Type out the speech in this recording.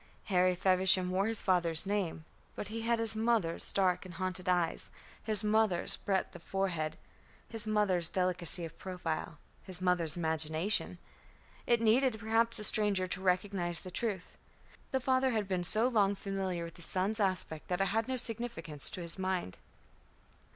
Harry Feversham wore his father's name, but he had his mother's dark and haunted eyes, his mother's breadth of forehead, his mother's delicacy of profile, his mother's imagination. It needed perhaps a stranger to recognise the truth. The father had been so long familiar with his son's aspect that it had no significance to his mind.